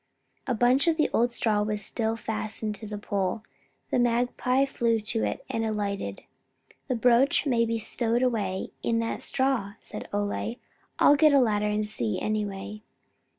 A bunch of the old straw was still fastened to the pole. The magpie flew to it, and alighted. "The brooch may be stowed away in that straw," said Ole. "I'll get a ladder and see, anyway."